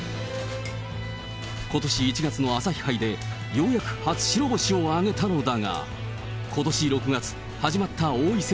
ことし１月の朝日杯で、ようやく初白星を挙げたのだが、ことし６月、始まった王位戦